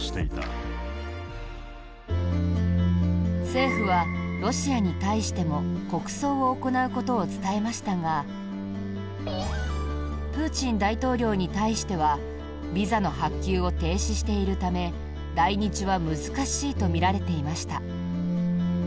政府はロシアに対しても国葬を行うことを伝えましたがプーチン大統領に対してはビザの発給を停止しているため来日は難しいとみられていました。